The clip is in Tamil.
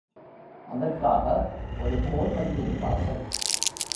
அதற்காக ஒரு கோல் வைத்திருப்பார்கள்.